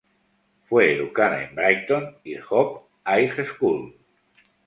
Fue educada en Brighton y Hove High School.